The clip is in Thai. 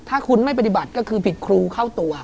ถ้าคุณไม่ปฏิบัติก็คือผิดครูเข้าตัว